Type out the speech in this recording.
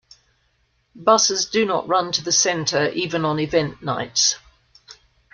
Buses do not run to the centre even on event nights.